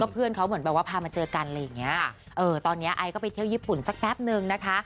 เพื่อนเขาเหมือนแบบว่าพามาเจอกันอะไรอย่างเงี้ยตอนนี้ไอก็ไปเที่ยวญี่ปุ่นสักแป๊บนึงนะคะ